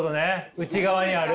内側にある。